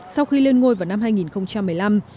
sau khi lên ngôi vào năm hai nghìn một mươi năm